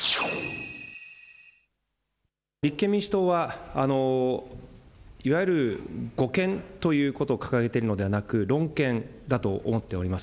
立憲民主党は、いわゆる護憲ということを掲げているのではなく、論憲だと思っております。